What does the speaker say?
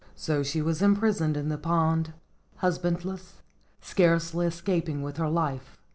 So she was imprisoned in the pond, husband¬ less, scarcely escaping with her life.